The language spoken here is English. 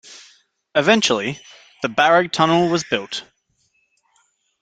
Eventually, the Baregg Tunnel was built.